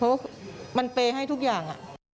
เพราะมันเปย์ให้ทุกอย่าง